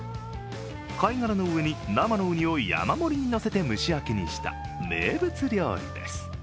貝殻の上に生のうにを山盛りにのせて蒸し焼きにした名物料理です。